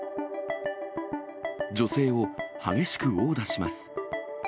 女性を激しく殴打します。